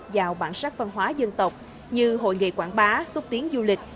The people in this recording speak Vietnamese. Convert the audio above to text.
giàu bản sắc văn hóa dân tộc như hội nghị quảng bá xúc tiến du lịch